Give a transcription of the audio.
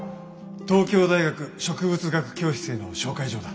東京大学植物学教室への紹介状だ。